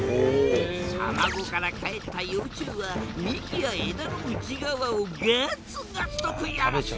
卵からかえった幼虫は幹や枝の内側をガツガツと食い荒らす。